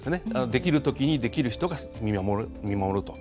できるときにできる人が見守ると。